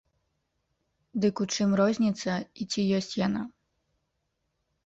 Дык у чым розніца, і ці ёсць яна?